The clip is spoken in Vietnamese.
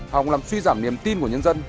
họng làm suy giảm niềm tin của nhân dân